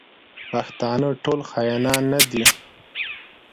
پښتانه ټول خاینان نه دي.